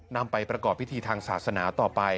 นำไปประกอบพิธีทางศาสนาต่อไป